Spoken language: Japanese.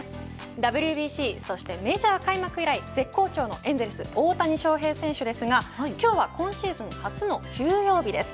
ＷＢＣ、そしてメジャー開幕以来絶好調のエンゼルス大谷翔平選手ですが今日は今シーズン初の休養日です。